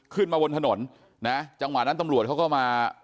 ขึ้นมาบนถนนนะจังหวะนั้นตำรวจเขาก็มา